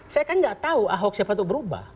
saya kan nggak tahu ahok siapa itu berubah